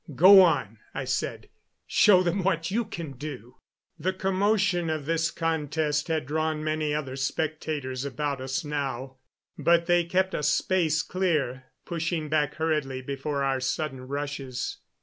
"Go on," I said; "show them what you can do." The commotion of this contest had drawn many other spectators about us now, but they kept a space clear, pushing back hurriedly before our sudden rushes.